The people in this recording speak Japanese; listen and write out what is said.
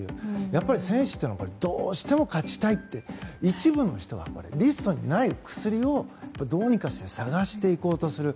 やっぱり、選手はどうしても勝ちたいって一部の人は、リストにない薬をどうにかして探していこうとする。